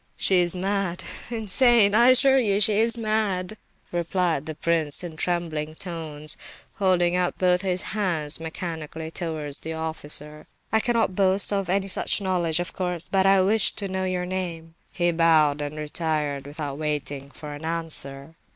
"She is mad, insane—I assure you, she is mad," replied the prince in trembling tones, holding out both his hands mechanically towards the officer. "I cannot boast of any such knowledge, of course, but I wished to know your name." He bowed and retired without waiting for an answer.